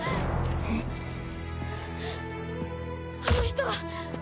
あの人は！